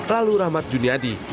lalu rahmat juniadi